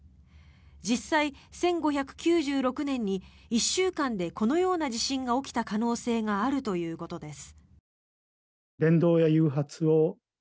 実際、１５９６年に１週間でこのような地震が起きた可能性があるということです。